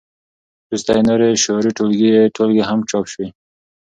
وروسته یې نورې شعري ټولګې هم چاپ شوې.